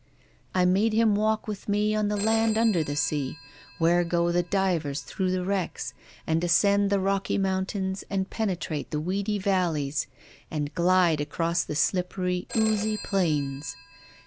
I made him walk with me on the land under the sea, where go the divers through the wrecks, and ascend the rocky mountains and pen etrate the weedy valleys, and glide across the slip pery, oozy plains.